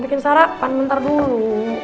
bikin sarapan bentar dulu